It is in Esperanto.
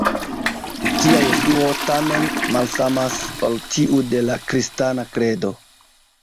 Tia Jesuo, tamen, malsamas ol tiu de la kristana kredo.